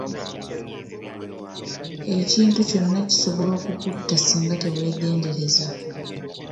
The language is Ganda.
Ekintu kyonna kisobola okukutta singa teweegendereza.